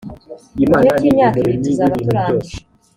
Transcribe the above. mu gihe cy imyaka ibiri tuzaba turangije